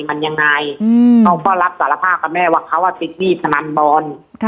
มันยังไงเขาก็รับสารภาพกับแม่ว่าเขาติดหนี้พนันบอล